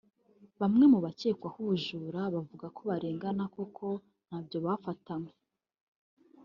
Bamwe mu bakekwaho ubujura bavuga ko barengana koko ntabyo bafatanywe